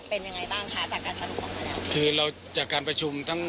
เป็นยังไงบ้างคะจากการสะดวกมาแล้วคือเราจากการประชุมทั้ง